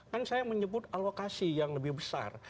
kan saya menyebut alokasi yang lebih besar